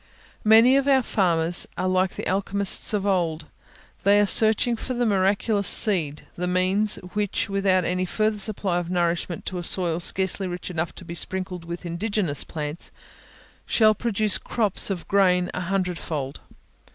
Many of our farmers are like the alchemists of old, they are searching for the miraculous seed, the means, which, without any further supply of nourishment to a soil scarcely rich enough to be sprinkled with indigenous plants, shall produce crops of grain a hundred fold.